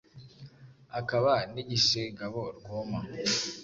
akaba n’igishegabo rwoma.